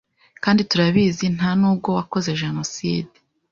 kandi turabizi nta nubwo wakoze Jenoside